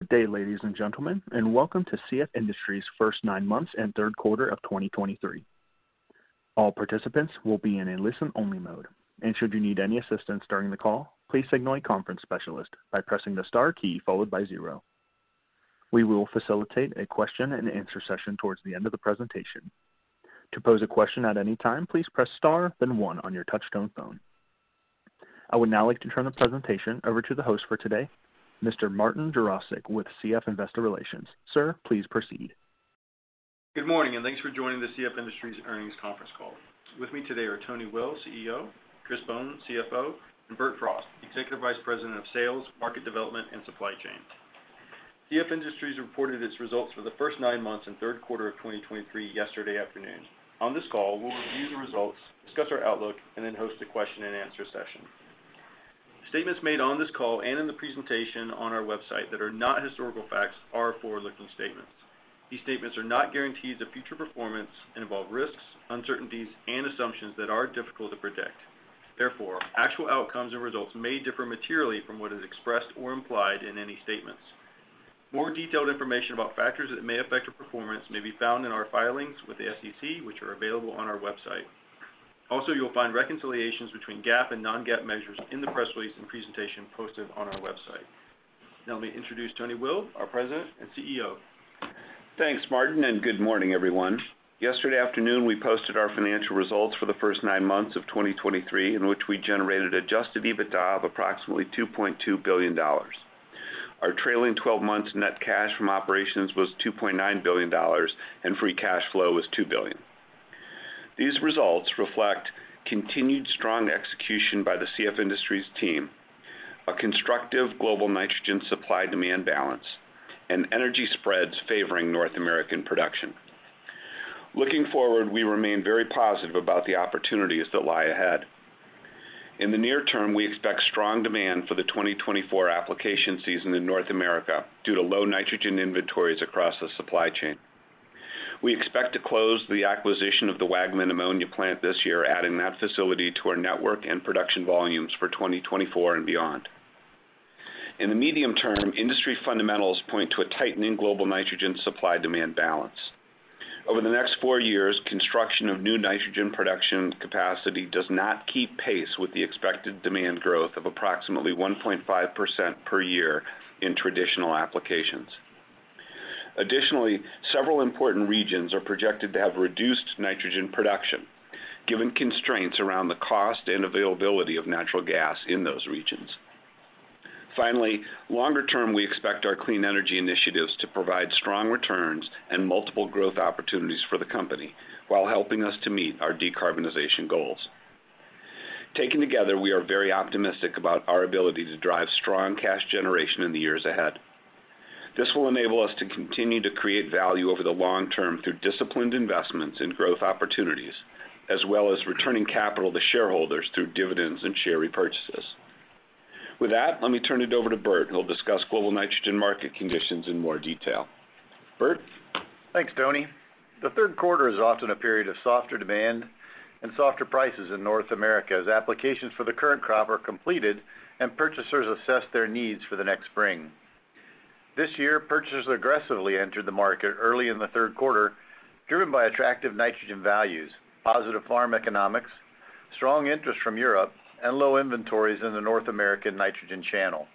Good day, ladies and gentlemen, and welcome to CF Industries' first nine months and third quarter of 2023. All participants will be in a listen-only mode, and should you need any assistance during the call, please signal a conference specialist by pressing the star key followed by zero. We will facilitate a question-and-answer session towards the end of the presentation. To pose a question at any time, please press star, then one on your touchtone phone. I would now like to turn the presentation over to the host for today, Mr. Martin Jarosick, with CF Investor Relations. Sir, please proceed. Good morning, and thanks for joining the CF Industries Earnings conference call. With me today are Tony Will, CEO, Chris Bohn, CFO, and Bert Frost, Executive Vice President of Sales, Market Development, and Supply Chain. CF Industries reported its results for the first nine months and third quarter of 2023 yesterday afternoon. On this call, we'll review the results, discuss our outlook, and then host a question-and-answer session. Statements made on this call and in the presentation on our website that are not historical facts are forward-looking statements. These statements are not guarantees of future performance and involve risks, uncertainties, and assumptions that are difficult to predict. Therefore, actual outcomes and results may differ materially from what is expressed or implied in any statements. More detailed information about factors that may affect your performance may be found in our filings with the SEC, which are available on our website. Also, you'll find reconciliations between GAAP and non-GAAP measures in the press release and presentation posted on our website. Now, let me introduce Tony Will, our President and CEO. Thanks, Martin, and good morning, everyone. Yesterday afternoon, we posted our financial results for the first 9 months of 2023, in which we generated adjusted EBITDA of approximately $2.2 billion. Our trailing 12 months net cash from operations was $2.9 billion, and free cash flow was $2 billion. These results reflect continued strong execution by the CF Industries team, a constructive global nitrogen supply-demand balance, and energy spreads favoring North American production. Looking forward, we remain very positive about the opportunities that lie ahead. In the near term, we expect strong demand for the 2024 application season in North America due to low nitrogen inventories across the supply chain. We expect to close the acquisition of the Waggaman ammonia plant this year, adding that facility to our network and production volumes for 2024 and beyond. In the medium term, industry fundamentals point to a tightening global nitrogen supply-demand balance. Over the next four years, construction of new nitrogen production capacity does not keep pace with the expected demand growth of approximately 1.5% per year in traditional applications. Additionally, several important regions are projected to have reduced nitrogen production, given constraints around the cost and availability of natural gas in those regions. Finally, longer term, we expect our clean energy initiatives to provide strong returns and multiple growth opportunities for the company while helping us to meet our decarbonization goals. Taken together, we are very optimistic about our ability to drive strong cash generation in the years ahead. This will enable us to continue to create value over the long term through disciplined investments in growth opportunities, as well as returning capital to shareholders through dividends and share repurchases. With that, let me turn it over to Bert, who'll discuss global nitrogen market conditions in more detail. Bert? Thanks, Tony. The third quarter is often a period of softer demand and softer prices in North America, as applications for the current crop are completed and purchasers assess their needs for the next spring. This year, purchasers aggressively entered the market early in the third quarter, driven by attractive nitrogen values, positive farm economics, strong interest from Europe, and low inventories in the North American nitrogen channel.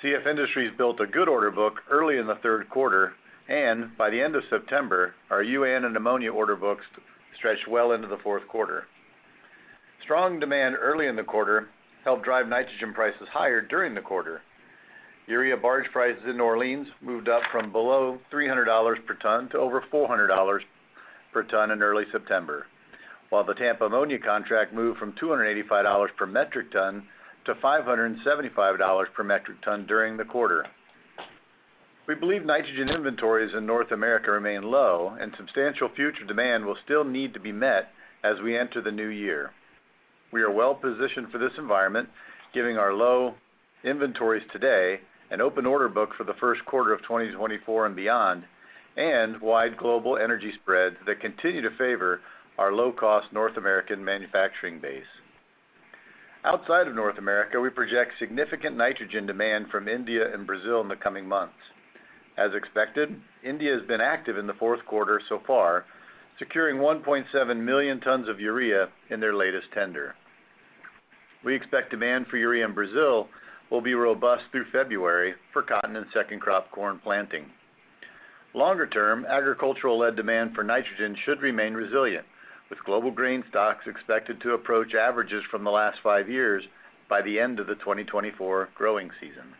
CF Industries built a good order book early in the third quarter, and by the end of September, our UAN and ammonia order books stretched well into the fourth quarter. Strong demand early in the quarter helped drive nitrogen prices higher during the quarter. Urea barge prices in New Orleans moved up from below $300 per ton to over $400 per ton in early September, while the Tampa ammonia contract moved from $285 per metric ton to $575 per metric ton during the quarter. We believe nitrogen inventories in North America remain low, and substantial future demand will still need to be met as we enter the new year. We are well positioned for this environment, giving our low inventories today an open order book for the first quarter of 2024 and beyond, and wide global energy spreads that continue to favor our low-cost North American manufacturing base. Outside of North America, we project significant nitrogen demand from India and Brazil in the coming months. As expected, India has been active in the fourth quarter so far, securing 1.7 million tons of urea in their latest tender. We expect demand for urea in Brazil will be robust through February for cotton and second crop corn planting. Longer term, agricultural-led demand for nitrogen should remain resilient, with global grain stocks expected to approach averages from the last five years by the end of the 2024 growing season.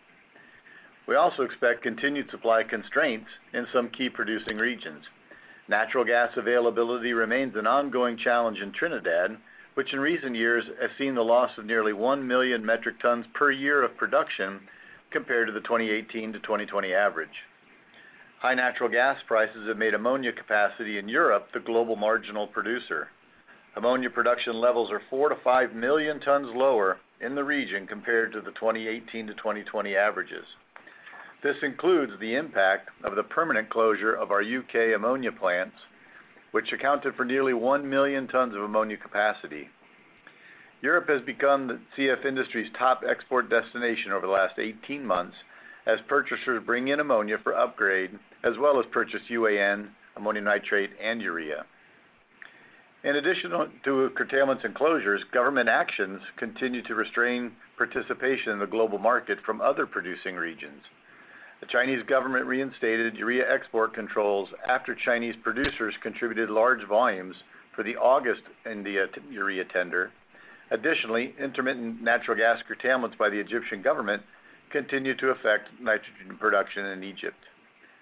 We also expect continued supply constraints in some key producing regions. Natural gas availability remains an ongoing challenge in Trinidad, which in recent years has seen the loss of nearly 1 million metric tons per year of production compared to the 2018 to 2020 average. High natural gas prices have made ammonia capacity in Europe the global marginal producer. Ammonia production levels are 4-5 million tons lower in the region compared to the 2018-2020 averages. This includes the impact of the permanent closure of our U.K. ammonia plants, which accounted for nearly 1 million tons of ammonia capacity. Europe has become the CF Industries' top export destination over the last 18 months, as purchasers bring in ammonia for upgrade, as well as purchase UAN, ammonium nitrate, and urea. In addition to curtailments and closures, government actions continue to restrain participation in the global market from other producing regions. The Chinese government reinstated urea export controls after Chinese producers contributed large volumes for the August India urea tender. Additionally, intermittent natural gas curtailments by the Egyptian government continue to affect nitrogen production in Egypt.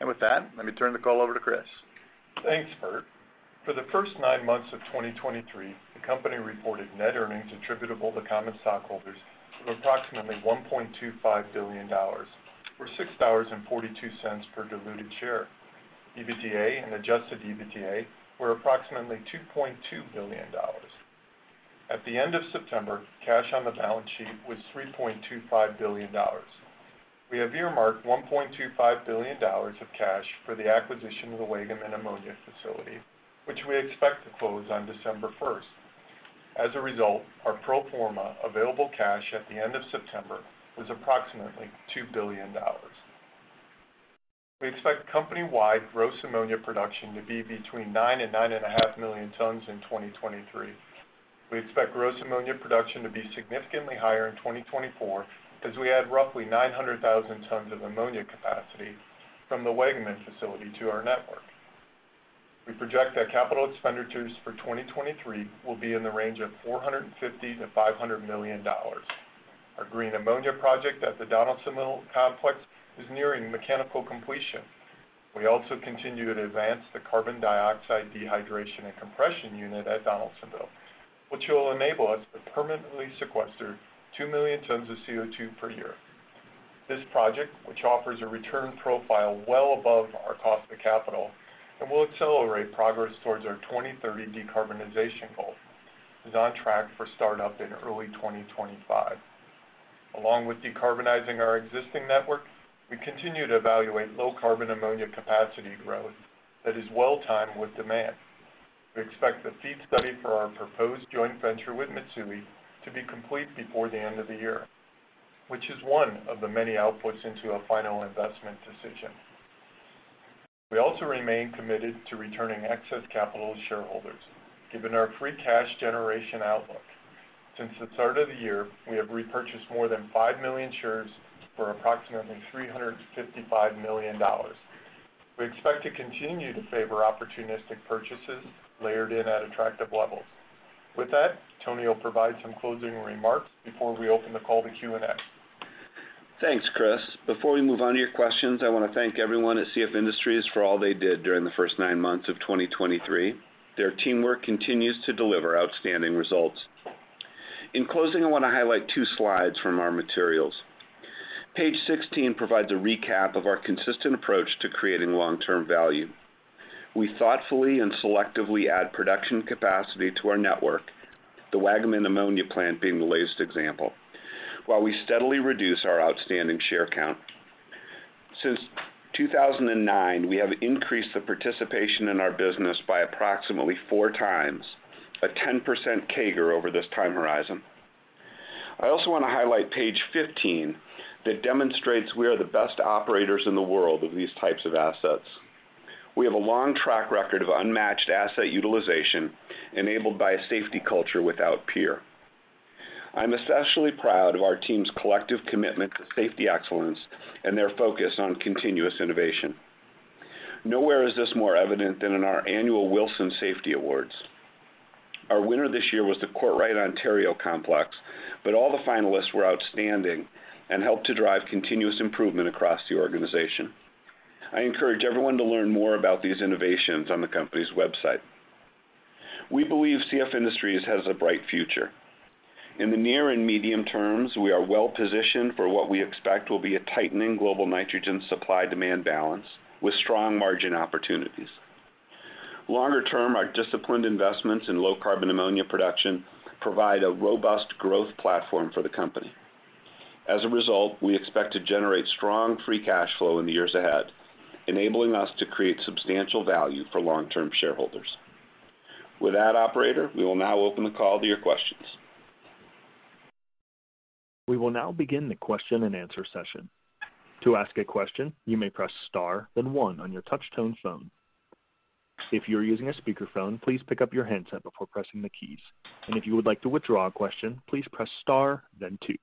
With that, let me turn the call over to Chris. Thanks, Bert. For the first nine months of 2023, the company reported net earnings attributable to common stockholders of approximately $1.25 billion, or $6.42 per diluted share. EBITDA and adjusted EBITDA were approximately $2.2 billion. At the end of September, cash on the balance sheet was $3.25 billion. We have earmarked $1.25 billion of cash for the acquisition of the Waggaman Ammonia facility, which we expect to close on December 1st. As a result, our pro forma available cash at the end of September was approximately $2 billion. We expect company-wide gross ammonia production to be between 9 and 9.5 million tons in 2023. We expect gross ammonia production to be significantly higher in 2024, as we add roughly 900,000 tons of ammonia capacity from the Waggaman facility to our network. We project that capital expenditures for 2023 will be in the range of $450 million-$500 million. Our green ammonia project at the Donaldsonville complex is nearing mechanical completion. We also continue to advance the carbon dioxide dehydration and compression unit at Donaldsonville, which will enable us to permanently sequester 2 million tons of CO2 per year. This project, which offers a return profile well above our cost of capital and will accelerate progress towards our 2030 decarbonization goal, is on track for startup in early 2025. Along with decarbonizing our existing network, we continue to evaluate low-carbon ammonia capacity growth that is well-timed with demand. We expect the FEED study for our proposed joint venture with Mitsui to be complete before the end of the year, which is one of the many outputs into a final investment decision. We also remain committed to returning excess capital to shareholders, given our free cash generation outlook. Since the start of the year, we have repurchased more than 5 million shares for approximately $355 million. We expect to continue to favor opportunistic purchases layered in at attractive levels. With that, Tony will provide some closing remarks before we open the call to Q&A. Thanks, Chris. Before we move on to your questions, I want to thank everyone at CF Industries for all they did during the first nine months of 2023. Their teamwork continues to deliver outstanding results. In closing, I want to highlight two slides from our materials. Page 16 provides a recap of our consistent approach to creating long-term value. We thoughtfully and selectively add production capacity to our network, the Waggaman Ammonia plant being the latest example, while we steadily reduce our outstanding share count. Since 2009, we have increased the participation in our business by approximately four times, a 10% CAGR over this time horizon. I also want to highlight page 15 that demonstrates we are the best operators in the world of these types of assets. We have a long track record of unmatched asset utilization, enabled by a safety culture without peer. I'm especially proud of our team's collective commitment to safety excellence and their focus on continuous innovation. Nowhere is this more evident than in our annual Wilson Safety Awards. Our winner this year was the Courtright, Ontario Complex, but all the finalists were outstanding and helped to drive continuous improvement across the organization. I encourage everyone to learn more about these innovations on the company's website. We believe CF Industries has a bright future. In the near and medium terms, we are well-positioned for what we expect will be a tightening global nitrogen supply-demand balance with strong margin opportunities. Longer term, our disciplined investments in low-carbon ammonia production provide a robust growth platform for the company. As a result, we expect to generate strong free cash flow in the years ahead, enabling us to create substantial value for long-term shareholders. With that, operator, we will now open the call to your questions. We will now begin the question-and-answer session. To ask a question, you may press star, then one on your touchtone phone. If you are using a speakerphone, please pick up your handset before pressing the keys. If you would like to withdraw a question, please press star, then two.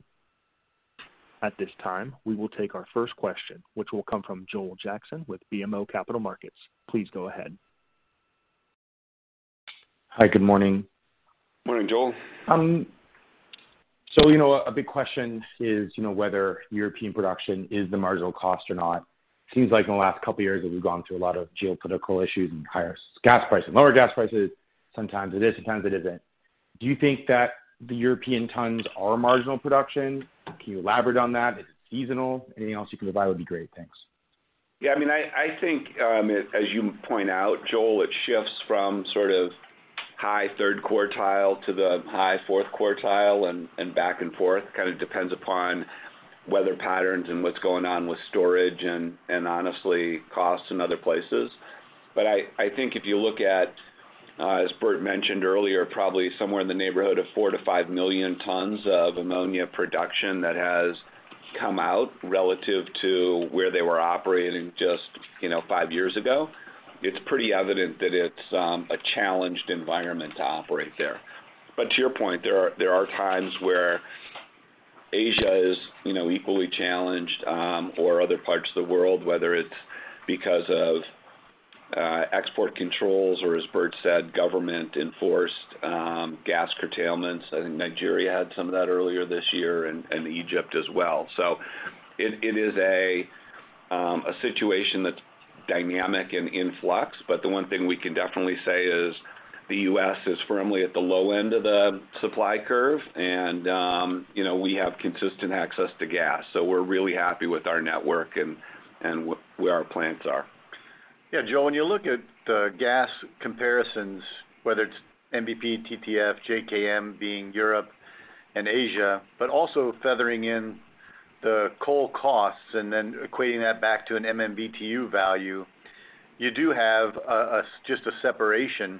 At this time, we will take our first question, which will come from Joel Jackson with BMO Capital Markets. Please go ahead. Hi, good morning. Morning, Joel. So you know, a big question is, you know, whether European production is the marginal cost or not. Seems like in the last couple of years, we've gone through a lot of geopolitical issues and higher gas prices and lower gas prices. Sometimes it is, sometimes it isn't. Do you think that the European tons are marginal production? Can you elaborate on that? Is it seasonal? Anything else you can provide would be great. Thanks. Yeah, I mean, I, I think, as, as you point out, Joel, it shifts from sort of high third quartile to the high fourth quartile and, and back and forth. Kind of depends upon weather patterns and what's going on with storage and, and honestly, costs in other places... But I, I think if you look at, as Bert mentioned earlier, probably somewhere in the neighborhood of 4-5 million tons of ammonia production that has come out relative to where they were operating just, you know, 5 years ago, it's pretty evident that it's a challenged environment to operate there. But to your point, there are, there are times where Asia is, you know, equally challenged, or other parts of the world, whether it's because of export controls or, as Bert said, government-enforced gas curtailments. I think Nigeria had some of that earlier this year and Egypt as well. So it is a situation that's dynamic and in flux, but the one thing we can definitely say is the U.S. is firmly at the low end of the supply curve, and you know, we have consistent access to gas. So we're really happy with our network and where our plants are. Yeah, Joe, when you look at the gas comparisons, whether it's NBP, TTF, JKM being Europe and Asia, but also factoring in the coal costs and then equating that back to an MMBtu value, you do have just a separation.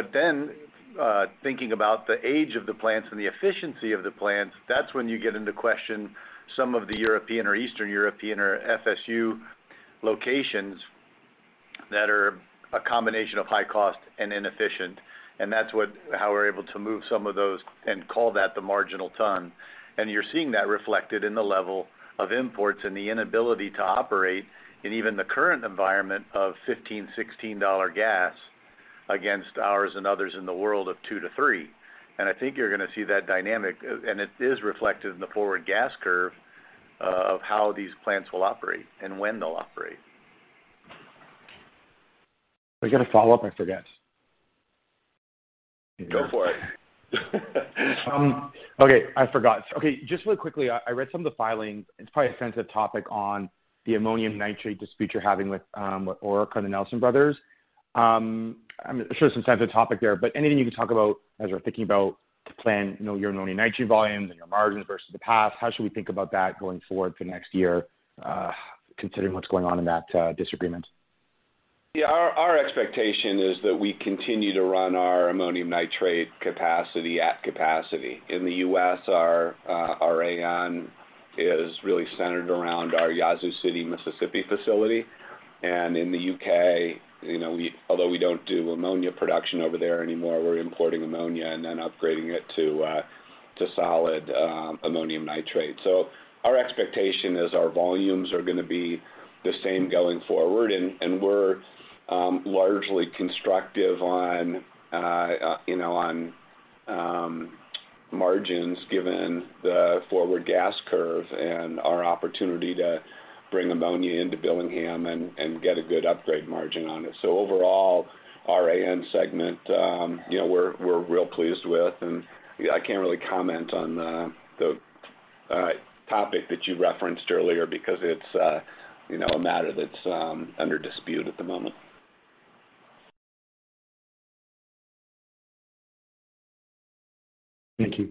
But then, thinking about the age of the plants and the efficiency of the plants, that's when you call into question some of the European or Eastern European or FSU locations that are a combination of high cost and inefficient, and that's what how we're able to move some of those and call that the marginal ton. And you're seeing that reflected in the level of imports and the inability to operate in even the current environment of $15-$16 gas against ours and others in the world of $2-$3. I think you're gonna see that dynamic, and it is reflected in the forward gas curve, of how these plants will operate and when they'll operate. I got a follow-up? I forget. Go for it. Okay, I forgot. Okay, just really quickly, I read some of the filings. It's probably a sensitive topic on the ammonium nitrate dispute you're having with Orica and the Nelson Brothers. I'm sure it's a sensitive topic there, but anything you can talk about as you're thinking about to plan, you know, your ammonium nitrate volumes and your margins versus the past, how should we think about that going forward for next year, considering what's going on in that disagreement? Yeah, our, our expectation is that we continue to run our ammonium nitrate capacity at capacity. In the U.S., our, our AN is really centered around our Yazoo City, Mississippi, facility. And in the U.K., you know, we-- although we don't do ammonia production over there anymore, we're importing ammonia and then upgrading it to, to solid, ammonium nitrate. So our expectation is our volumes are gonna be the same going forward, and, and we're, largely constructive on, you know, on, margins, given the forward gas curve and our opportunity to bring ammonia into Billingham and, and get a good upgrade margin on it. Overall, our AN segment, you know, we're real pleased with, and I can't really comment on the topic that you referenced earlier because it's, you know, a matter that's under dispute at the moment. Thank you.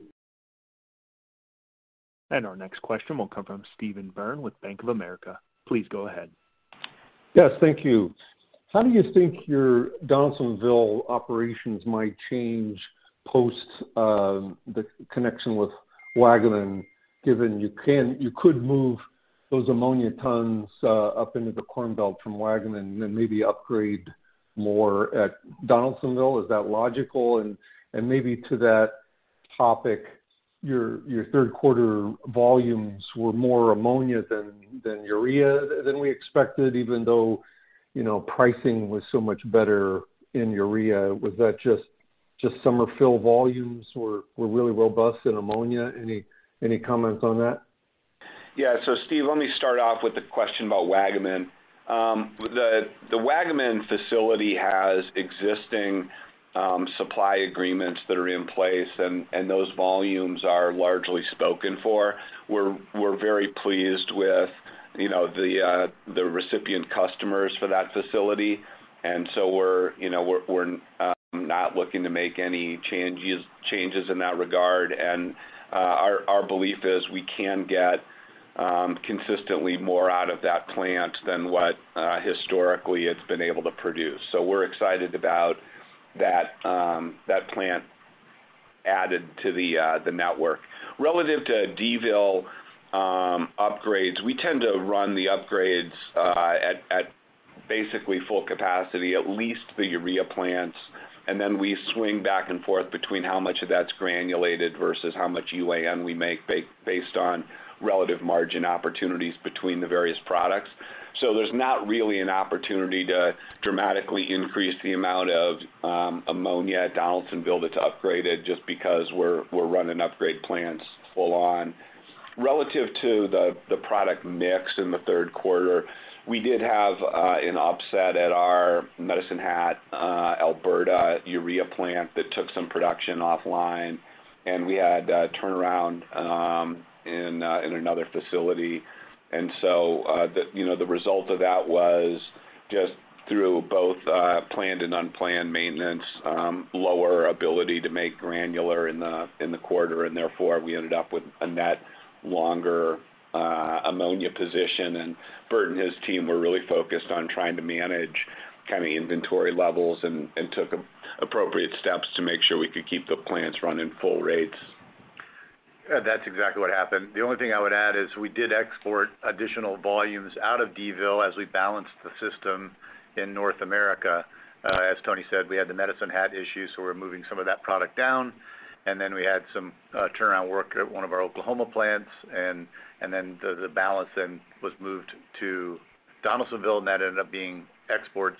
Our next question will come from Steven Byrne with Bank of America. Please go ahead. Yes, thank you. How do you think your Donaldsonville operations might change post the connection with Waggaman, given you can't—you could move those ammonia tons up into the Corn Belt from Waggaman and then maybe upgrade more at Donaldsonville? Is that logical? And maybe to that topic, your third quarter volumes were more ammonia than urea than we expected, even though, you know, pricing was so much better in urea. Was that just summer fill volumes were really robust in ammonia? Any comments on that? Yeah. So, Steve, let me start off with the question about Waggaman. The Waggaman facility has existing supply agreements that are in place, and those volumes are largely spoken for. We're very pleased with, you know, the recipient customers for that facility, and so we're, you know, we're not looking to make any changes in that regard. And our belief is we can get consistently more out of that plant than what historically it's been able to produce. So we're excited about that plant added to the network. Relative to Donaldsonville upgrades, we tend to run the upgrades at basically full capacity, at least the urea plants, and then we swing back and forth between how much of that's granulated versus how much UAN we make, based on relative margin opportunities between the various products. So there's not really an opportunity to dramatically increase the amount of ammonia at Donaldsonville that's upgraded just because we're running upgrade plants full on. Relative to the product mix in the third quarter, we did have an upset at our Medicine Hat, Alberta urea plant that took some production offline, and we had a turnaround in another facility. So, you know, the result of that was just through both planned and unplanned maintenance, lower ability to make granular in the quarter, and therefore, we ended up with a net longer ammonia position. Bert and his team were really focused on trying to manage kind of inventory levels and took appropriate steps to make sure we could keep the plants running full rates. Yeah, that's exactly what happened. The only thing I would add is we did export additional volumes out of Donaldsonville as we balanced the system in North America. As Tony said, we had the Medicine Hat issue, so we're moving some of that product down. And then we had some turnaround work at one of our Oklahoma plants, and then the balance then was moved to Donaldsonville, and that ended up being exports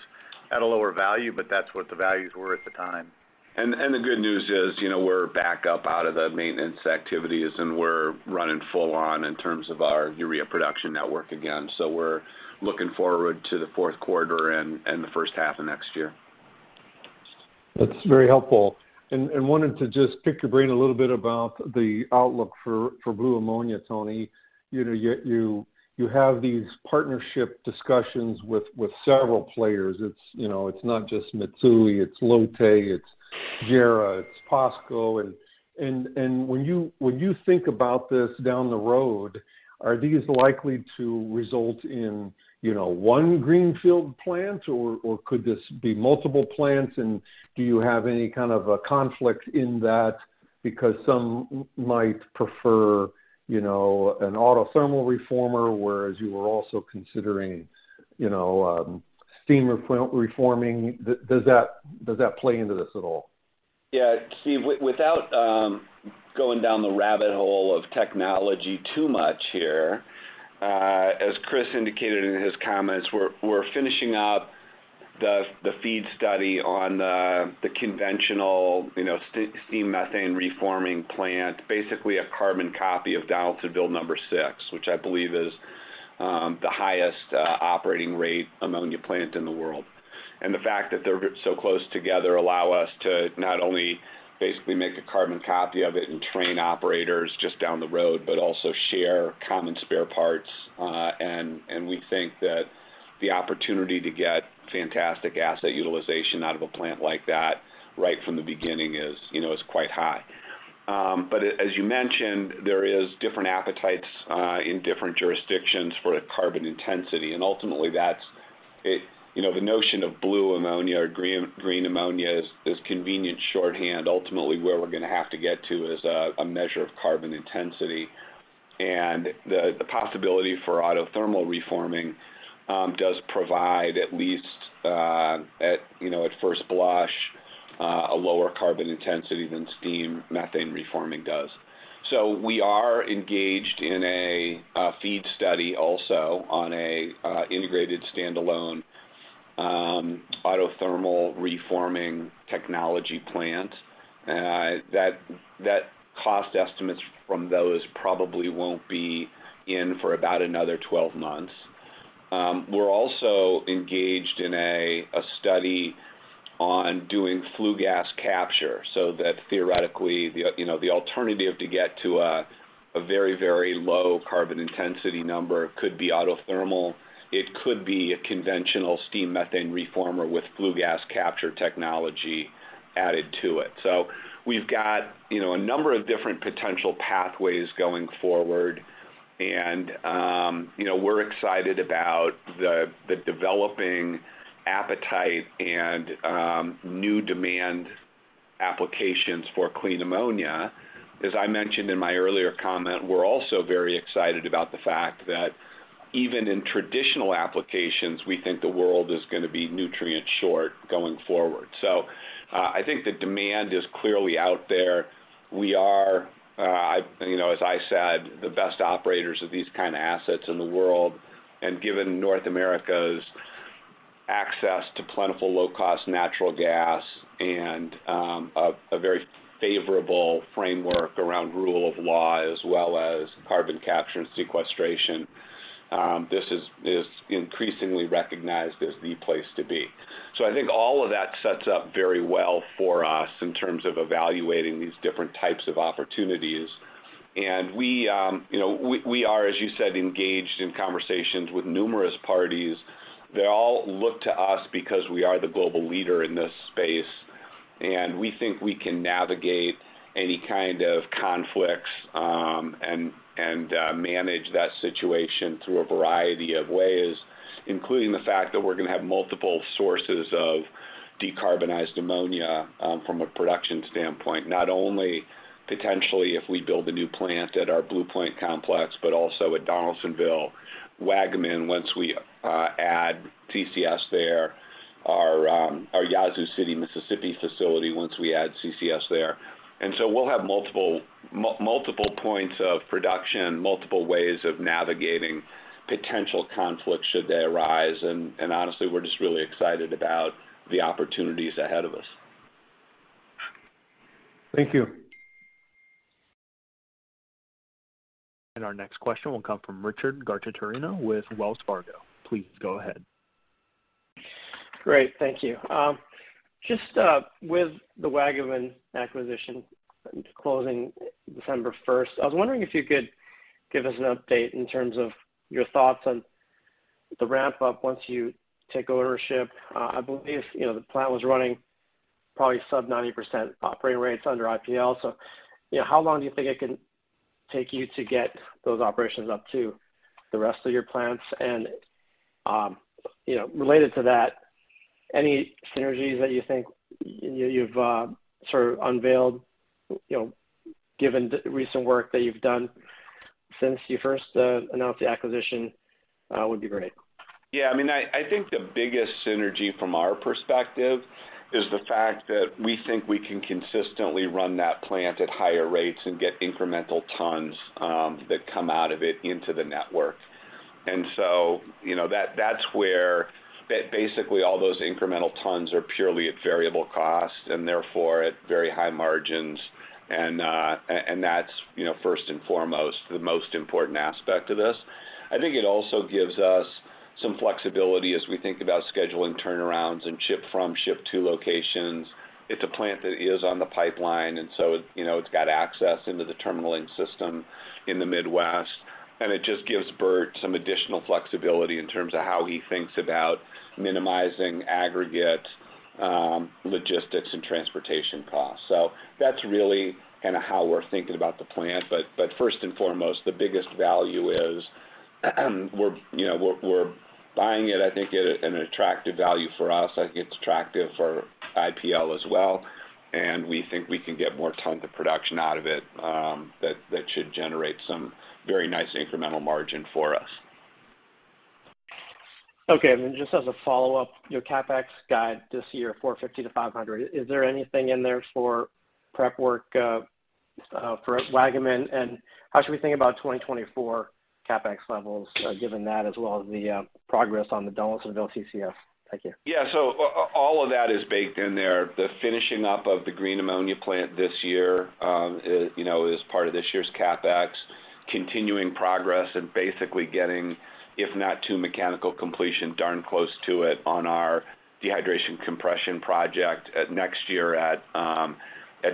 at a lower value, but that's what the values were at the time. The good news is, you know, we're back up out of the maintenance activities, and we're running full on in terms of our urea production network again. So we're looking forward to the fourth quarter and the first half of next year. That's very helpful. And wanted to just pick your brain a little bit about the outlook for blue ammonia, Tony. You know, you have these partnership discussions with several players. It's, you know, it's not just Mitsui, it's Lotte, it's JERA, it's POSCO. And when you think about this down the road, are these likely to result in one greenfield plant, or could this be multiple plants? And do you have any kind of a conflict in that? Because some might prefer an autothermal reformer, whereas you were also considering steam reforming. Does that play into this at all? Yeah, Steve, without going down the rabbit hole of technology too much here, as Chris indicated in his comments, we're finishing up the FEED study on the conventional, you know, steam methane reforming plant. Basically, a carbon copy of Donaldsonville number 6, which I believe is the highest operating rate ammonia plant in the world. And the fact that they're so close together allow us to not only basically make a carbon copy of it and train operators just down the road, but also share common spare parts. And we think that the opportunity to get fantastic asset utilization out of a plant like that right from the beginning is, you know, is quite high. But as you mentioned, there is different appetites in different jurisdictions for carbon intensity. And ultimately, that's it, you know, the notion of blue ammonia or green, green ammonia is convenient shorthand. Ultimately, where we're gonna have to get to is a measure of carbon intensity. And the possibility for Autothermal Reforming does provide at least, at first blush, a lower carbon intensity than Steam Methane Reforming does. So we are engaged in a FEED study also on a integrated standalone Autothermal Reforming technology plant. That cost estimates from those probably won't be in for about another 12 months. We're also engaged in a study on doing Flue Gas Capture. So that theoretically, the alternative to get to a very, very low carbon intensity number could be autothermal. It could be a conventional Steam Methane Reformer with Flue Gas Capture technology added to it. So we've got, you know, a number of different potential pathways going forward. And, you know, we're excited about the developing appetite and new demand applications for clean ammonia. As I mentioned in my earlier comment, we're also very excited about the fact that even in traditional applications, we think the world is gonna be nutrient short going forward. So, I think the demand is clearly out there. We are, I, you know, as I said, the best operators of these kind of assets in the world. And given North America's access to plentiful, low-cost natural gas and a very favorable framework around rule of law, as well as carbon capture and sequestration, this is increasingly recognized as the place to be. So I think all of that sets up very well for us in terms of evaluating these different types of opportunities. And we, you know, are, as you said, engaged in conversations with numerous parties. They all look to us because we are the global leader in this space, and we think we can navigate any kind of conflicts, and manage that situation through a variety of ways, including the fact that we're gonna have multiple sources of decarbonized ammonia, from a production standpoint. Not only potentially if we build a new plant at our Blue Plant complex, but also at Donaldsonville. Waggaman, once we add CCS there, our Yazoo City, Mississippi, facility, once we add CCS there. And so we'll have multiple points of production, multiple ways of navigating potential conflicts should they arise. Honestly, we're just really excited about the opportunities ahead of us. Thank you. Our next question will come from Richard Garchitorena with Wells Fargo. Please go ahead. Great, thank you. Just, with the Waggaman acquisition closing December first, I was wondering if you could give us an update in terms of your thoughts on the ramp-up once you take ownership. I believe, you know, the plant was running?... probably sub 90% operating rates under IPL. So, you know, how long do you think it can take you to get those operations up to the rest of your plants? And, you know, related to that, any synergies that you think you, you've sort of unveiled, you know, given the recent work that you've done since you first announced the acquisition, would be great. Yeah, I mean, I think the biggest synergy from our perspective is the fact that we think we can consistently run that plant at higher rates and get incremental tons that come out of it into the network. And so, you know, that's where, basically, all those incremental tons are purely at variable cost, and therefore, at very high margins. And that's, you know, first and foremost, the most important aspect of this. I think it also gives us some flexibility as we think about scheduling turnarounds and ship from, ship to locations. It's a plant that is on the pipeline, and so, you know, it's got access into the terminaling system in the Midwest. And it just gives Bert some additional flexibility in terms of how he thinks about minimizing aggregate logistics and transportation costs. So that's really kind of how we're thinking about the plant. But first and foremost, the biggest value is, we're, you know, buying it, I think, at an attractive value for us. I think it's attractive for IPL as well, and we think we can get more tons of production out of it, that should generate some very nice incremental margin for us. Okay. And then just as a follow-up, your CapEx guide this year, $450 million-$500 million. Is there anything in there for prep work for Waggaman? And how should we think about 2024 CapEx levels, given that as well as the progress on the Donaldsonville TCF? Thank you. Yeah, so all of that is baked in there. The finishing up of the green ammonia plant this year, you know, is part of this year's CapEx. Continuing progress and basically getting, if not to mechanical completion, darn close to it on our dehydration compression project next year at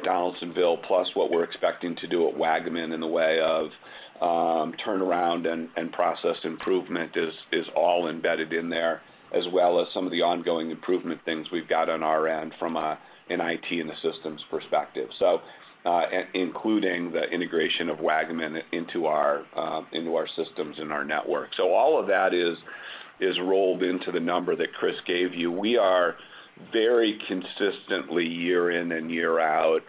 Donaldsonville, plus what we're expecting to do at Waggaman in the way of turnaround and process improvement is all embedded in there, as well as some of the ongoing improvement things we've got on our end from an IT and a systems perspective. So, including the integration of Waggaman into our systems and our network. So all of that is rolled into the number that Chris gave you. We are very consistently, year in and year out,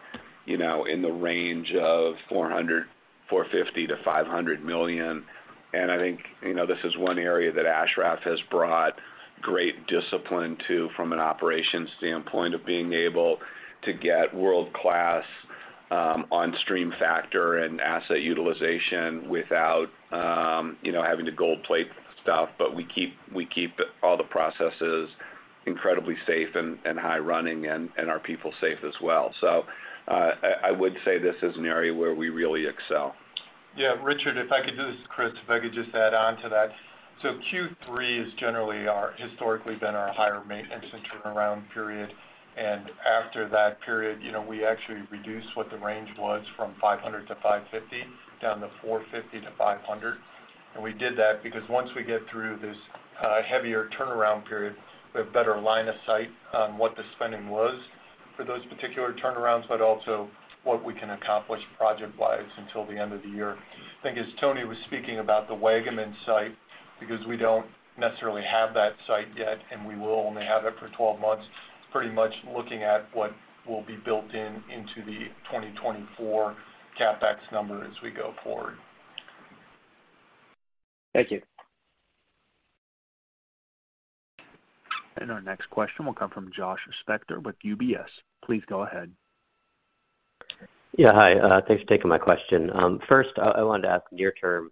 you know, in the range of $400, $450 to $500 million. And I think, you know, this is one area that Ashraf has brought great discipline to, from an operations standpoint of being able to get world-class on-stream factor and asset utilization without, you know, having to gold plate stuff. But we keep, we keep all the processes incredibly safe and, and high running and, and our people safe as well. So, I would say this is an area where we really excel. Yeah, Richard, if I could do-- this is Chris. If I could just add on to that. So Q3 is generally our-- historically been our higher maintenance and turnaround period, and after that period, you know, we actually reduced what the range was from 500 to 550, down to 450 to 500. And we did that because once we get through this heavier turnaround period, we have better line of sight on what the spending was for those particular turnarounds, but also what we can accomplish project-wise until the end of the year. I think, as Tony was speaking about the Waggaman site, because we don't necessarily have that site yet, and we will only have it for 12 months, pretty much looking at what will be built in into the 2024 CapEx number as we go forward. Thank you. Our next question will come from Josh Spector with UBS. Please go ahead. Yeah, hi. Thanks for taking my question. First, I wanted to ask near term.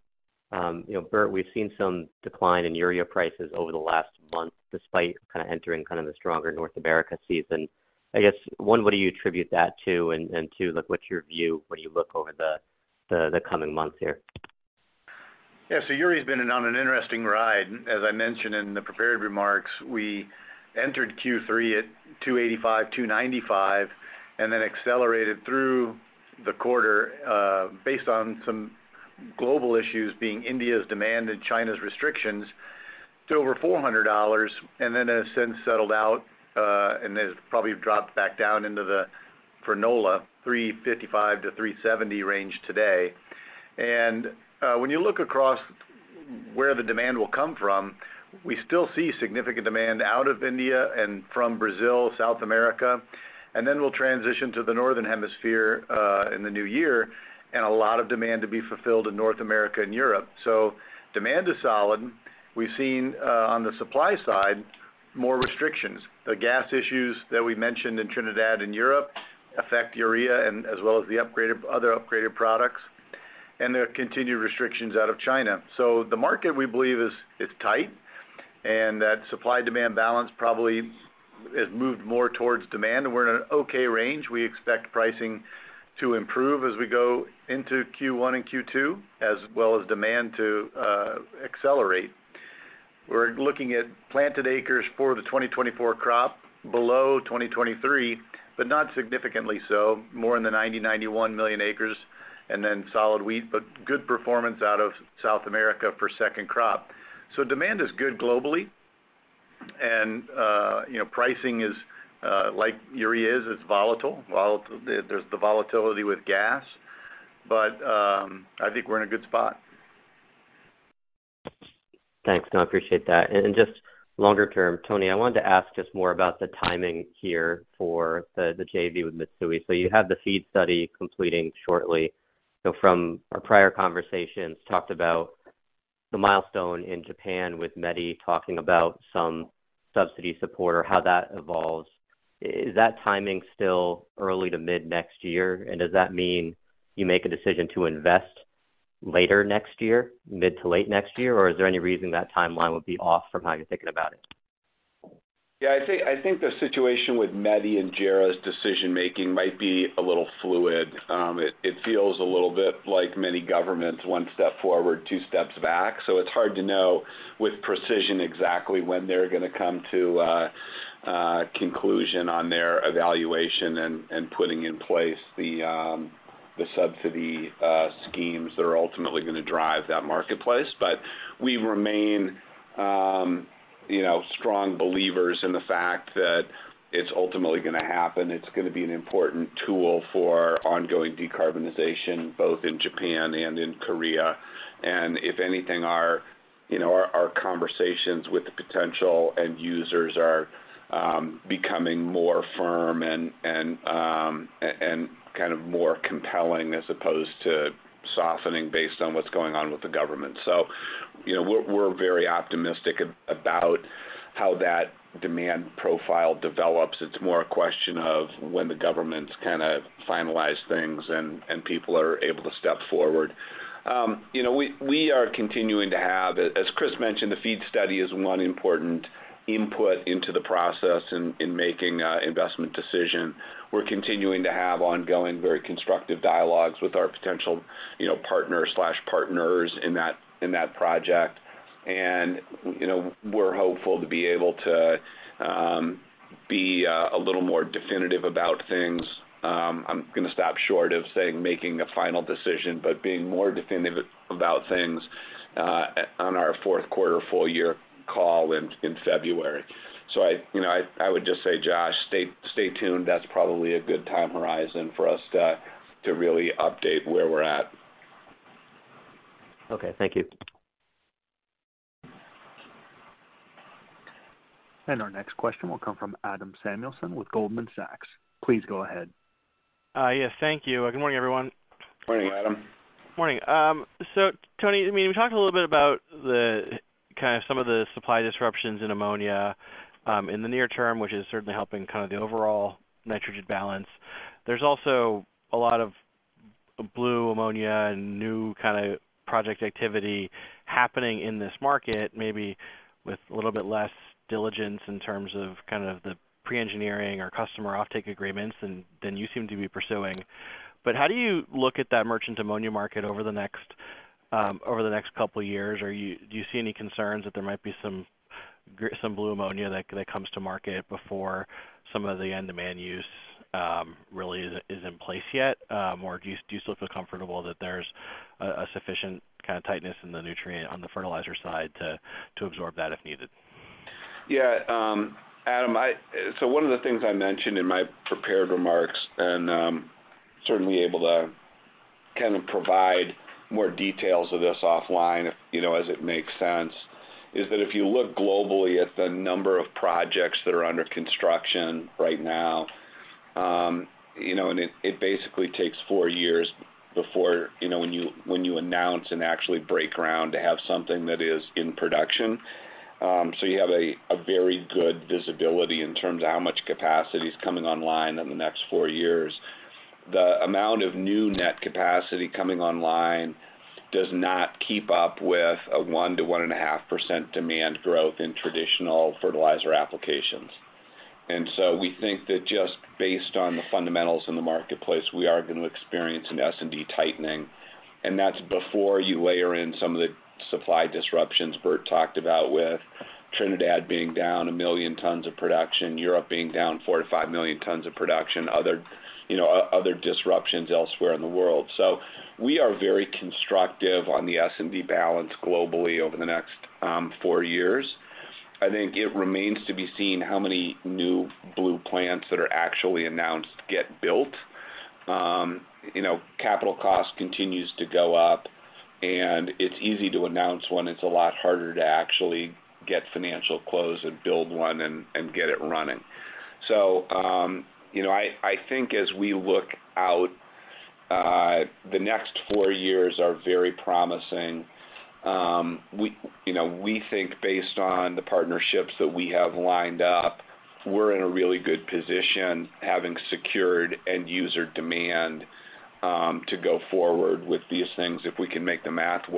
You know, Bert, we've seen some decline in urea prices over the last month, despite kind of entering the stronger North America season. I guess, one, what do you attribute that to? And two, like, what's your view when you look over the coming months here? Yeah, so urea has been on an interesting ride. As I mentioned in the prepared remarks, we entered Q3 at $285-$295, and then accelerated through the quarter, based on some global issues, being India's demand and China's restrictions, to over $400, and then has since settled out, and has probably dropped back down into the—for NOLA, $355-$370 range today. And, when you look across where the demand will come from, we still see significant demand out of India and from Brazil, South America, and then we'll transition to the northern hemisphere, in the new year, and a lot of demand to be fulfilled in North America and Europe. So demand is solid. We've seen, on the supply side, more restrictions. The gas issues that we mentioned in Trinidad and Europe affect urea and as well as the upgraded other upgraded products, and there are continued restrictions out of China. So the market, we believe, is tight, and that supply-demand balance probably has moved more towards demand. We're in an okay range. We expect pricing to improve as we go into Q1 and Q2, as well as demand to accelerate. We're looking at planted acres for the 2024 crop, below 2023, but not significantly so. More in the 90-91 million acres, and then solid wheat, but good performance out of South America for second crop. So demand is good globally, and, you know, pricing is like urea is, it's volatile. Volatile, there, there's the volatility with gas, but I think we're in a good spot. Thanks. No, I appreciate that. And, and just longer term, Tony, I wanted to ask just more about the timing here for the, the JV with Mitsui. So you have the FEED study completing shortly. So from our prior conversations, talked about the milestone in Japan with METI, talking about some subsidy support or how that evolves. Is that timing still early to mid next year? And does that mean you make a decision to invest later next year, mid to late next year? Or is there any reason that timeline would be off from how you're thinking about it? Yeah, I think, I think the situation with METI and JERA's decision-making might be a little fluid. It feels a little bit like many governments, one step forward, two steps back. So it's hard to know with precision exactly when they're gonna come to a conclusion on their evaluation and putting in place the subsidy schemes that are ultimately gonna drive that marketplace. But we remain, you know, strong believers in the fact that it's ultimately gonna happen. It's gonna be an important tool for ongoing decarbonization, both in Japan and in Korea. And if anything, our, you know, our conversations with the potential end users are becoming more firm and kind of more compelling as opposed to softening based on what's going on with the government. So, you know, we're very optimistic about how that demand profile develops. It's more a question of when the governments kind of finalize things and people are able to step forward. You know, we are continuing to have, as Chris mentioned, the FEED study is one important input into the process in making an investment decision. We're continuing to have ongoing, very constructive dialogues with our potential, you know, partner/partners in that project. And, you know, we're hopeful to be able to be a little more definitive about things. I'm gonna stop short of saying making a final decision, but being more definitive about things on our fourth quarter full year call in February. So I, you know, I would just say, Josh, stay tuned. That's probably a good time horizon for us to really update where we're at. Okay. Thank you. Our next question will come from Adam Samuelson with Goldman Sachs. Please go ahead. Yes, thank you. Good morning, everyone. Morning, Adam. Morning. So Tony, I mean, we talked a little bit about the, kind of some of the supply disruptions in Ammonia in the near term, which is certainly helping kind of the overall nitrogen balance. There's also a lot of Blue Ammonia and new kind of project activity happening in this market, maybe with a little bit less diligence in terms of kind of the pre-engineering or customer offtake agreements than you seem to be pursuing. But how do you look at that merchant Ammonia market over the next couple of years? Do you see any concerns that there might be some Blue Ammonia that comes to market before some of the end demand use really is in place yet? Or do you still feel comfortable that there's a sufficient kind of tightness in the nutrient on the fertilizer side to absorb that if needed? Yeah, Adam, so one of the things I mentioned in my prepared remarks, and certainly able to kind of provide more details of this offline, if, you know, as it makes sense, is that if you look globally at the number of projects that are under construction right now, you know, and it basically takes four years before, you know, when you announce and actually break ground to have something that is in production. So you have a very good visibility in terms of how much capacity is coming online in the next four years. The amount of new net capacity coming online does not keep up with a 1%-1.5% demand growth in traditional fertilizer applications. And so we think that just based on the fundamentals in the marketplace, we are going to experience an S&D tightening, and that's before you layer in some of the supply disruptions Bert talked about with Trinidad being down 1 million tons of production, Europe being down 4-5 million tons of production, other, you know, other disruptions elsewhere in the world. So we are very constructive on the S&D balance globally over the next 4 years. I think it remains to be seen how many new blue plants that are actually announced get built. You know, capital cost continues to go up, and it's easy to announce one. It's a lot harder to actually get financial close and build one and get it running. So, you know, I think as we look out, the next 4 years are very promising. We, you know, we think based on the partnerships that we have lined up, we're in a really good position, having secured end user demand to go forward with these things, if we can make the math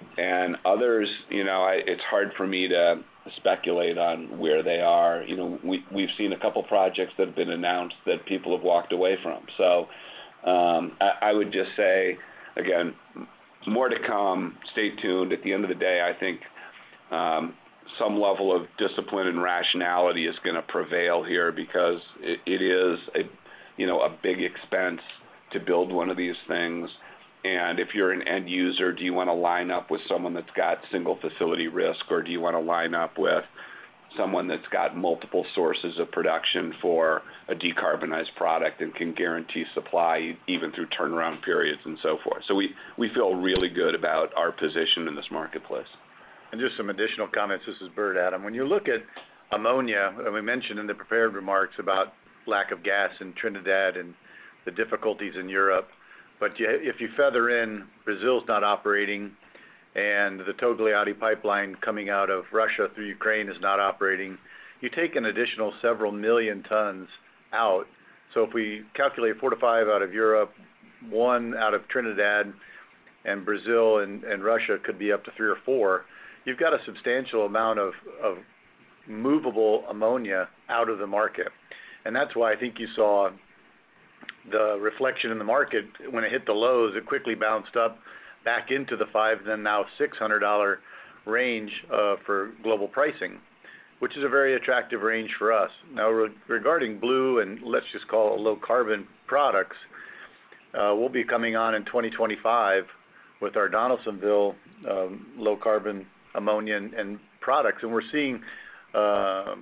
work. And others, you know, it's hard for me to speculate on where they are. You know, we've seen a couple of projects that have been announced that people have walked away from. So, I would just say, again, more to come. Stay tuned. At the end of the day, I think some level of discipline and rationality is gonna prevail here because it is a, you know, a big expense to build one of these things. And if you're an end user, do you wanna line up with someone that's got single facility risk? Or do you wanna line up with someone that's got multiple sources of production for a decarbonized product and can guarantee supply even through turnaround periods and so forth? So we feel really good about our position in this marketplace. Just some additional comments. This is Bert, Adam. When you look at ammonia, and we mentioned in the prepared remarks about lack of gas in Trinidad and the difficulties in Europe, but yeah, if you factor in, Brazil's not operating, and the Togliatti pipeline coming out of Russia through Ukraine is not operating, you take an additional several million tons out. So if we calculate 4-5 out of Europe, 1 out of Trinidad, and Brazil and Russia could be up to 3 or 4, you've got a substantial amount of movable ammonia out of the market. And that's why I think you saw the reflection in the market. When it hit the lows, it quickly bounced up back into the $500-$600 range for global pricing, which is a very attractive range for us. Now, regarding blue, and let's just call it low carbon products, we'll be coming on in 2025 with our Donaldsonville low carbon ammonia and products. And we're seeing a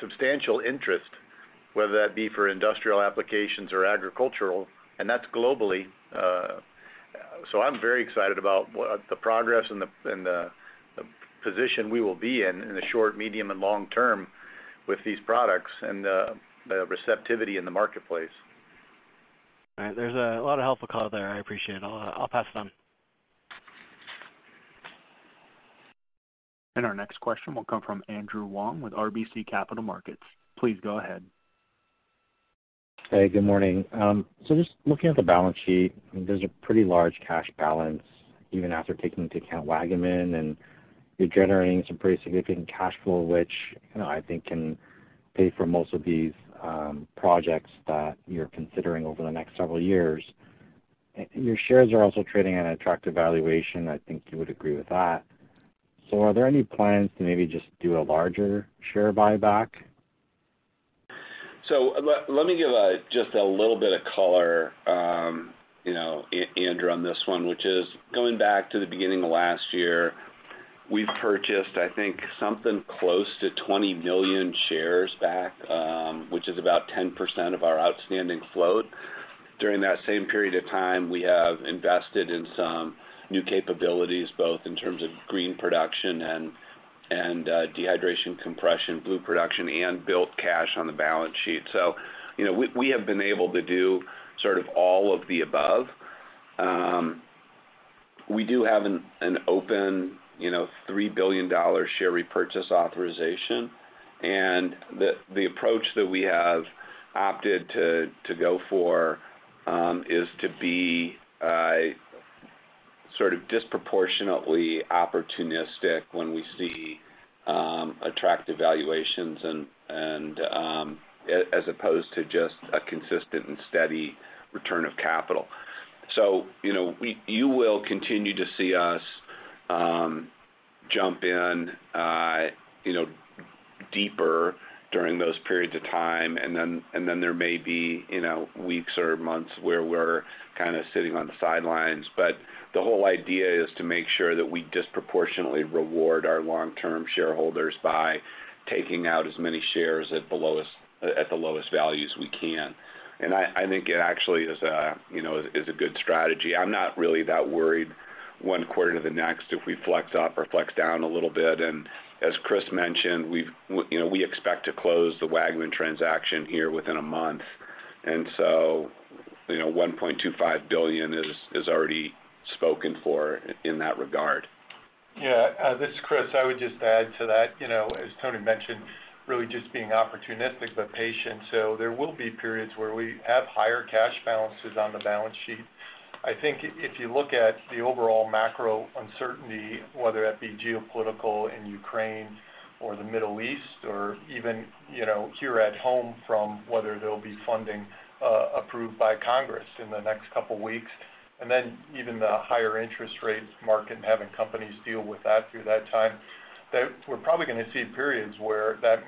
substantial interest, whether that be for industrial applications or agricultural, and that's globally. So I'm very excited about the progress and the position we will be in, in the short, medium, and long term with these products and the receptivity in the marketplace. All right. There's a lot of helpful color there. I appreciate it. I'll, I'll pass it on. Our next question will come from Andrew Wong with RBC Capital Markets. Please go ahead. Hey, good morning. So just looking at the balance sheet, there's a pretty large cash balance, even after taking into account Waggaman, and you're generating some pretty significant cash flow, which, you know, I think can pay for most of these projects that you're considering over the next several years. Your shares are also trading at an attractive valuation. I think you would agree with that. So are there any plans to maybe just do a larger share buyback? So let me give a just a little bit of color, you know, Andrew, on this one, which is going back to the beginning of last year. We've purchased, I think, something close to 20 million shares back, which is about 10% of our outstanding float. During that same period of time, we have invested in some new capabilities, both in terms of green production and, and, dehydration, compression, blue production, and built cash on the balance sheet. So, you know, we, we have been able to do sort of all of the above. We do have an open $3 billion share repurchase authorization, and the approach that we have opted to go for is to be sort of disproportionately opportunistic when we see attractive valuations and as opposed to just a consistent and steady return of capital. So, you know, you will continue to see us jump in, you know, deeper during those periods of time, and then there may be, you know, weeks or months where we're kinda sitting on the sidelines. But the whole idea is to make sure that we disproportionately reward our long-term shareholders by taking out as many shares at the lowest values we can. And I think it actually is a, you know, good strategy. I'm not really that worried one quarter to the next if we flex up or flex down a little bit. And as Chris mentioned, we've, you know, we expect to close the Waggaman transaction here within a month, and so, you know, $1.25 billion is already spoken for in that regard. Yeah, this is Chris. I would just add to that, you know, as Tony mentioned, really just being opportunistic, but patient. So there will be periods where we have higher cash balances on the balance sheet. I think if you look at the overall macro uncertainty, whether that be geopolitical in Ukraine or the Middle East, or even, you know, here at home, from whether there'll be funding approved by Congress in the next couple weeks, and then even the higher interest rates market and having companies deal with that through that time, that we're probably gonna see periods where that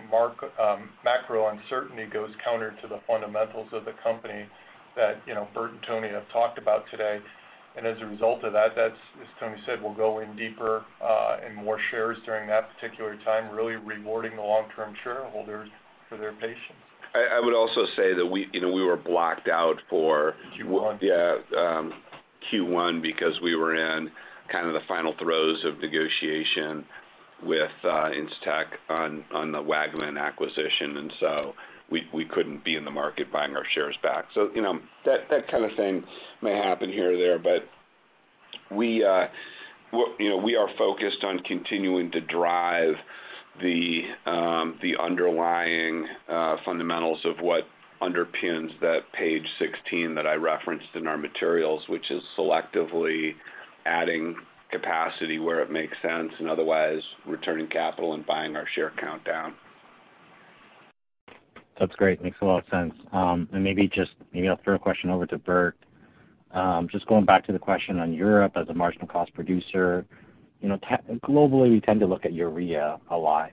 macro uncertainty goes counter to the fundamentals of the company that, you know, Bert and Tony have talked about today. As a result of that, that's, as Tony said, we'll go in deeper in more shares during that particular time, really rewarding the long-term shareholders for their patience. I would also say that we, you know, we were blocked out for- Q1. Yeah, Q1 because we were in kind of the final throes of negotiation with Incitec on the Waggaman acquisition, and so we couldn't be in the market buying our shares back. So, you know, that kind of thing may happen here or there, but we, you know, we are focused on continuing to drive the underlying fundamentals of what underpins that page 16 that I referenced in our materials, which is selectively adding capacity where it makes sense, and otherwise, returning capital and buying our share count down. ... That's great. Makes a lot of sense. And maybe just, maybe I'll throw a question over to Bert. Just going back to the question on Europe as a marginal cost producer. You know, globally, we tend to look at urea a lot,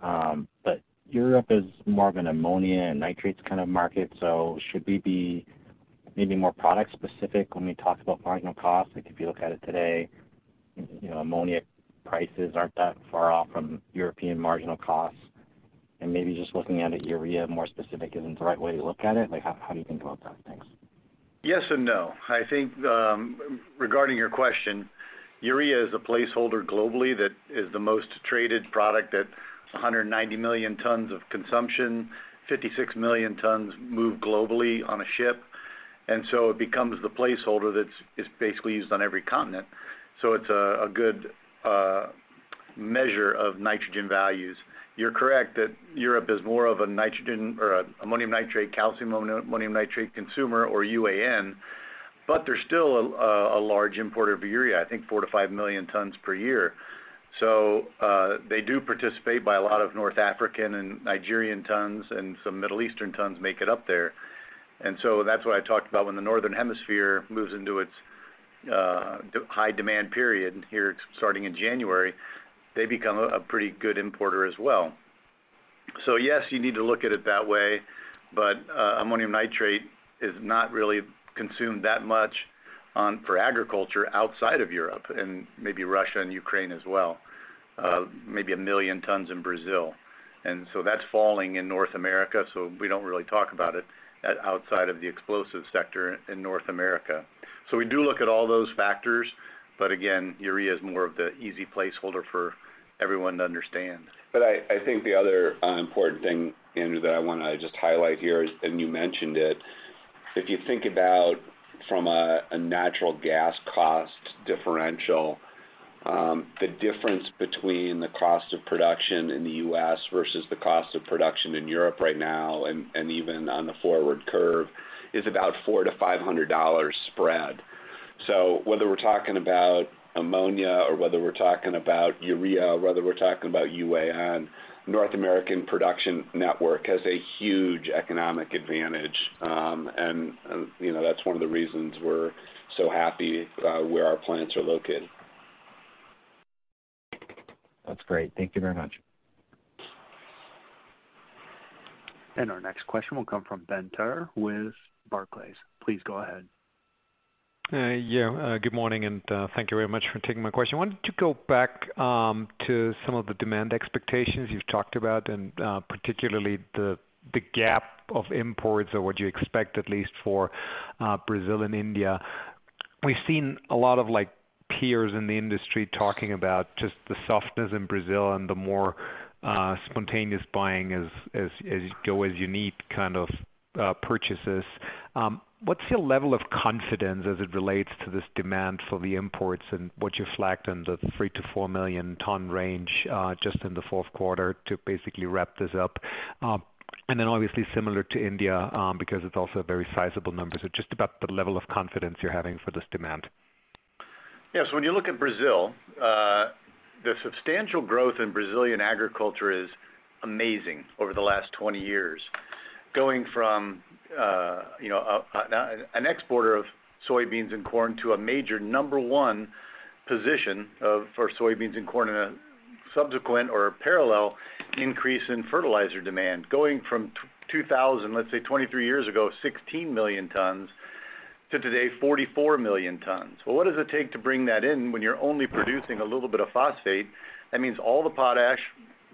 but Europe is more of an ammonia and nitrates kind of market. So should we be maybe more product specific when we talk about marginal cost? Like, if you look at it today, you know, ammonia prices aren't that far off from European marginal costs, and maybe just looking at it, urea more specific, isn't the right way to look at it. Like, how, how do you think about that? Thanks. Yes and no. I think, regarding your question, urea is a placeholder globally that is the most traded product at 190 million tons of consumption, 56 million tons moved globally on a ship, and so it becomes the placeholder that is basically used on every continent. So it's a good measure of nitrogen values. You're correct that Europe is more of a nitrogen or a ammonium nitrate, calcium ammonium nitrate consumer, or UAN, but they're still a large importer of urea, I think 4-5 million tons per year. So they do participate by a lot of North African and Nigerian tons, and some Middle Eastern tons make it up there. That's why I talked about when the Northern Hemisphere moves into its high demand period here, starting in January, they become a pretty good importer as well. So yes, you need to look at it that way, but ammonium nitrate is not really consumed that much for agriculture outside of Europe and maybe Russia and Ukraine as well, maybe 1 million tons in Brazil. And so that's falling in North America, so we don't really talk about it outside of the explosives sector in North America. So we do look at all those factors, but again, urea is more of the easy placeholder for everyone to understand. But I think the other important thing, Andrew, that I wanna just highlight here is, and you mentioned it, if you think about from a natural gas cost differential, the difference between the cost of production in the U.S. versus the cost of production in Europe right now, and even on the forward curve, is about a $400-$500 spread. So whether we're talking about ammonia or whether we're talking about urea or whether we're talking about UAN, North American production network has a huge economic advantage. And you know, that's one of the reasons we're so happy where our plants are located. That's great. Thank you very much. Our next question will come from Ben Theurer with Barclays. Please go ahead. Yeah, good morning, and thank you very much for taking my question. I wanted to go back to some of the demand expectations you've talked about, and particularly the gap of imports or what you expect, at least for Brazil and India. We've seen a lot of, like, peers in the industry talking about just the softness in Brazil and the more spontaneous buying as you need, kind of, purchases. What's your level of confidence as it relates to this demand for the imports and what you flagged in the 3-4 million ton range, just in the fourth quarter to basically wrap this up? And then obviously similar to India, because it's also a very sizable number. So just about the level of confidence you're having for this demand. Yes, when you look at Brazil, the substantial growth in Brazilian agriculture is amazing over the last 20 years, going from, you know, an exporter of soybeans and corn to a major number one position for soybeans and corn, and a subsequent or a parallel increase in fertilizer demand, going from 2000, let's say, 23 years ago, 16 million tons, to today, 44 million tons. Well, what does it take to bring that in when you're only producing a little bit of phosphate? That means all the potash,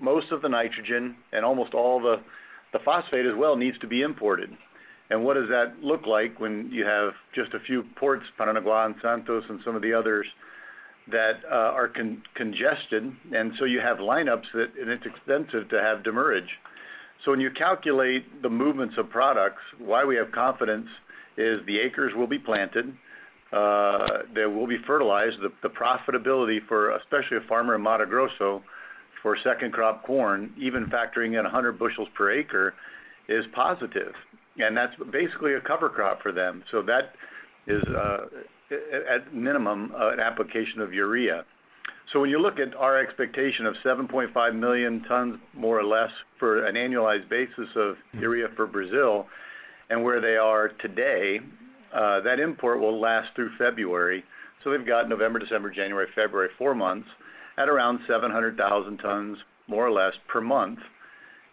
most of the nitrogen, and almost all the phosphate as well, needs to be imported. What does that look like when you have just a few ports, Paranaguá and Santos and some of the others, that are congested, and so you have lineups that, and it's expensive to have demurrage. So when you calculate the movements of products, why we have confidence is the acres will be planted, they will be fertilized. The profitability for, especially a farmer in Mato Grosso, for second crop corn, even factoring in 100 bushels per acre, is positive, and that's basically a cover crop for them. So that is, at minimum, an application of urea. So when you look at our expectation of 7.5 million tons, more or less, for an annualized basis of urea for Brazil and where they are today, that import will last through February. So we've got November, December, January, February, four months at around 700,000 tons, more or less, per month,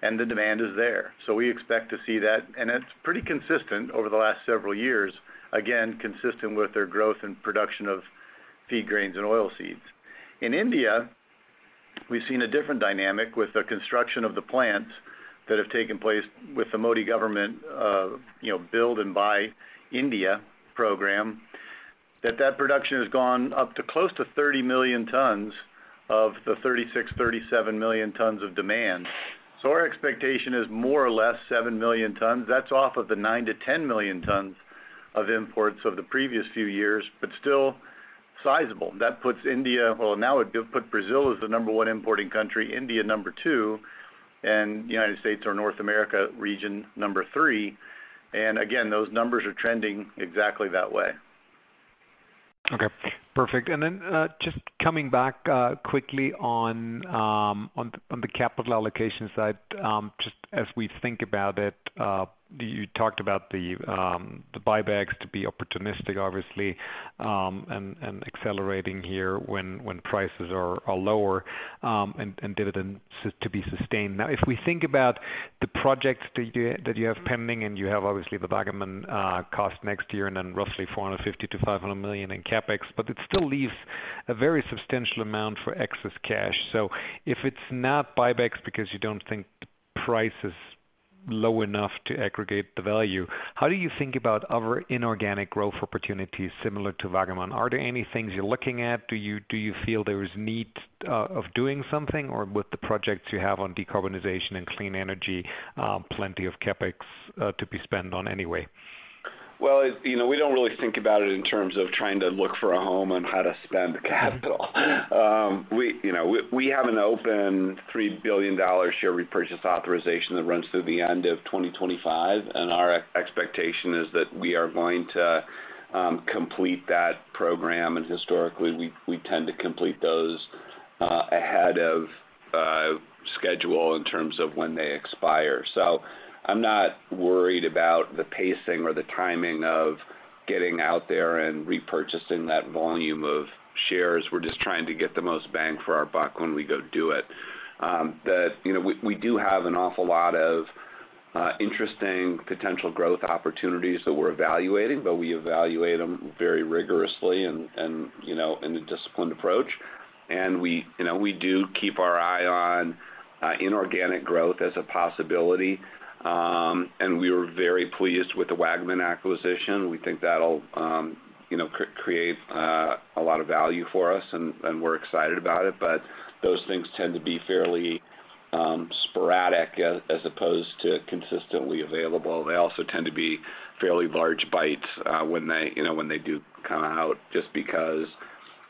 and the demand is there. So we expect to see that, and it's pretty consistent over the last several years. Again, consistent with their growth and production of feed grains and oilseeds. In India, we've seen a different dynamic with the construction of the plants that have taken place with the Modi government, you know, Build and Buy India program, that that production has gone up to close to 30 million tons of the 36-37 million tons of demand. So our expectation is more or less 7 million tons. That's off of the 9-10 million tons of imports of the previous few years, but still sizable. That puts India-- well, now it put Brazil as the number one importing country, India number two, and United States or North America region number three. And again, those numbers are trending exactly that way. Okay, perfect. And then, just coming back, quickly on, on the capital allocation side. Just as we think about it, you talked about the, the buybacks to be opportunistic, obviously, and, and accelerating here when, when prices are, are lower, and, and dividends to be sustained. Now, if we think about the projects that you, that you have pending, and you have obviously the Waggaman, cost next year, and then roughly $450 million-$500 million in CapEx, but it still leaves a very substantial amount for excess cash. So if it's not buybacks because you don't think the price is low enough to aggregate the value, how do you think about other inorganic growth opportunities similar to Waggaman? Are there any things you're looking at? Do you, do you feel there is need of doing something? Or with the projects you have on decarbonization and clean energy, plenty of CapEx to be spent on anyway? Well, you know, we don't really think about it in terms of trying to look for a home on how to spend capital. We, you know, we, we have an open $3 billion share repurchase authorization that runs through the end of 2025, and our expectation is that we are going to complete that program. And historically, we, we tend to complete those ahead of schedule in terms of when they expire. So I'm not worried about the pacing or the timing of getting out there and repurchasing that volume of shares. We're just trying to get the most bang for our buck when we go do it. That, you know, we, we do have an awful lot of interesting potential growth opportunities that we're evaluating, but we evaluate them very rigorously and, and, you know, in a disciplined approach. And we, you know, we do keep our eye on inorganic growth as a possibility. And we were very pleased with the Waggaman acquisition. We think that'll, you know, create a lot of value for us, and we're excited about it. But those things tend to be fairly sporadic, as opposed to consistently available. They also tend to be fairly large bites, when they do come out, just because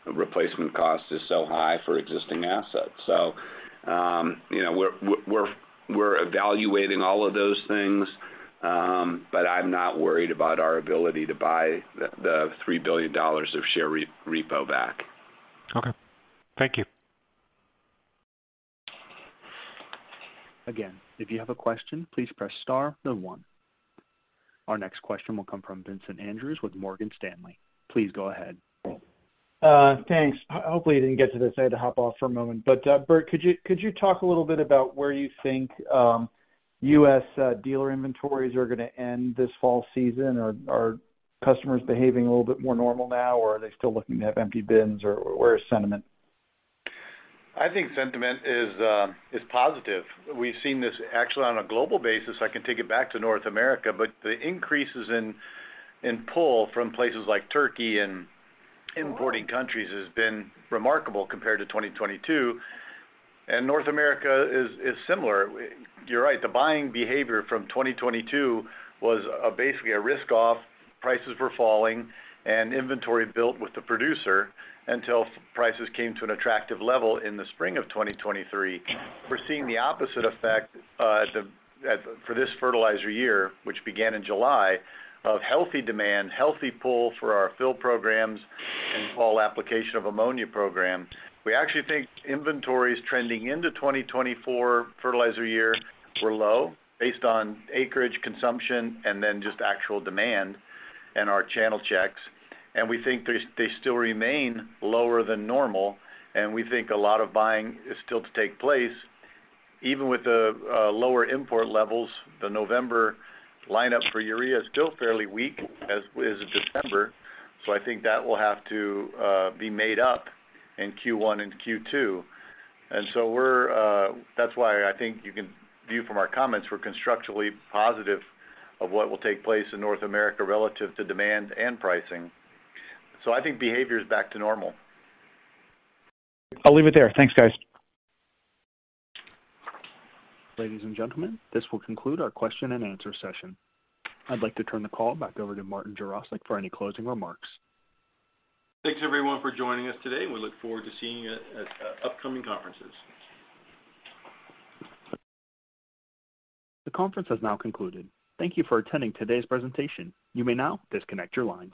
replacement cost is so high for existing assets. So, you know, we're evaluating all of those things, but I'm not worried about our ability to buy the $3 billion of share repo back. Okay, thank you. Again, if you have a question, please press star then one. Our next question will come from Vincent Andrews with Morgan Stanley. Please go ahead. Thanks. Hopefully, you didn't get to this. I had to hop off for a moment. But, Bert, could you talk a little bit about where you think U.S. dealer inventories are going to end this fall season? Or are customers behaving a little bit more normal now, or are they still looking to have empty bins, or, where is sentiment? I think sentiment is positive. We've seen this actually on a global basis. I can take it back to North America, but the increases in pull from places like Turkey and importing countries has been remarkable compared to 2022, and North America is similar. You're right, the buying behavior from 2022 was basically a risk off, prices were falling, and inventory built with the producer until prices came to an attractive level in the spring of 2023. We're seeing the opposite effect for this fertilizer year, which began in July, of healthy demand, healthy pull for our fill programs and fall application of ammonia program. We actually think inventories trending into 2024 fertilizer year were low, based on acreage, consumption, and then just actual demand and our channel checks. We think they, they still remain lower than normal, and we think a lot of buying is still to take place. Even with the lower import levels, the November lineup for urea is still fairly weak, as is December, so I think that will have to be made up in Q1 and Q2. We're, that's why I think you can view from our comments, we're constructively positive of what will take place in North America relative to demand and pricing. I think behavior is back to normal. I'll leave it there. Thanks, guys. Ladies and gentlemen, this will conclude our question and answer session. I'd like to turn the call back over to Martin Jarosick for any closing remarks. Thanks, everyone, for joining us today, and we look forward to seeing you at upcoming conferences. The conference has now concluded. Thank you for attending today's presentation. You may now disconnect your lines.